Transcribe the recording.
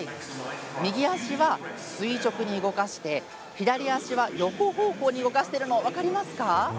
右足は垂直に動かして左足は横方向に動かしているの分かりますか？